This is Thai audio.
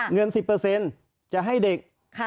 เงิน๑๐จะให้เด็ก